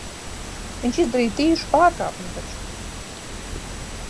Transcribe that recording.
Viņš izdarīja tīšu pārkāpumu taču.